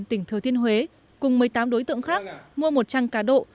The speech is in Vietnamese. tỉnh thừa thiên huế cùng một mươi tám đối tượng khác mua một trang cá độ